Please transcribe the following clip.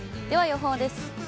では予報です。